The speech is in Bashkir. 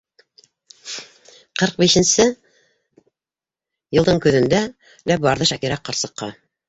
Кырҡ бишенсе йылдың көҙөндә лә барҙы Шакира ҡарсыҡҡа.